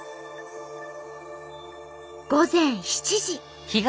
午前７時。